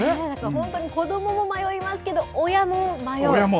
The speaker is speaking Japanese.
本当に子どもも迷いますけれども、親も迷う。